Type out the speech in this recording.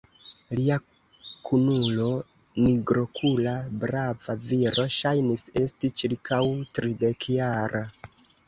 Lia kunulo, nigrokula brava viro, ŝajnis esti ĉirkaŭ tridekjara.